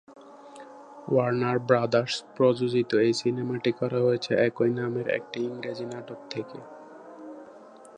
Warner Brothers প্রযোজিত এই সিনেমাটি করা হয়েছে একই নামের একটি ইংরেজি নাটক থেকে।